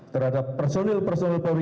terhadap personil personil polri